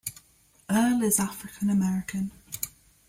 Earle is African-American.